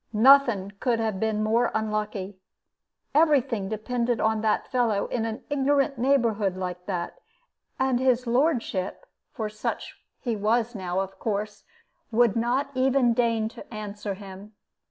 Nothing could have been more unlucky. Every thing depended on that fellow in an ignorant neighborhood like that; and his lordship, for such he was now, of course, would not even deign to answer him.